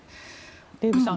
デーブさん